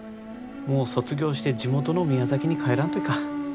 もう卒業して地元の宮崎に帰らんといかん。